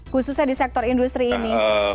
khususnya di sektor industri ini